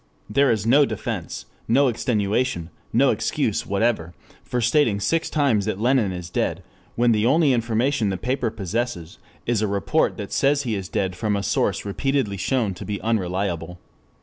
There is no defense, no extenuation, no excuse whatever, for stating six times that Lenin is dead, when the only information the paper possesses is a report that he is dead from a source repeatedly shown to be unreliable.